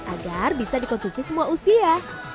agar bisa dikonsumsi semua usia